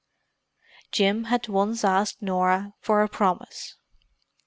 Jim had once asked Norah for a promise.